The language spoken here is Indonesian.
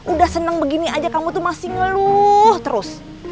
udah seneng begini aja kamu tuh masih ngeluh terus